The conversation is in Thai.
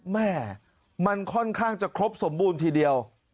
แม่มันค่อนข้างจะครบสมบูรณ์ทีเดียว